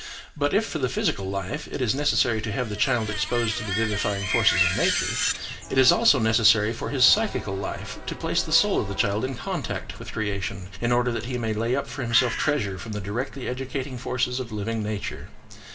But if for the physical life it is necessary to have the child exposed to the vivifying forces of nature, it is also necessary for his psychical life to place the soul of the child in contact with creation, in order that he may lay up for himself treasure from the directly educating forces of living nature.